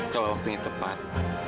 kalau waktunya tepat